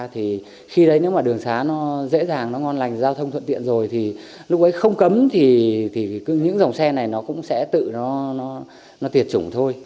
thì khi đấy nếu mà đường xá nó dễ dàng nó ngon lành giao thông thuận tiện rồi thì lúc ấy không cấm thì những dòng xe này nó cũng sẽ tự nó tiệt chủng thôi